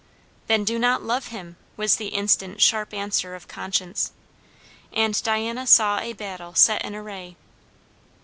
Then do not love him! was the instant sharp answer of conscience. And Diana saw a battle set in array.